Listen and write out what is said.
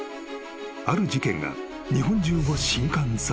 ある事件が日本中を震撼させた］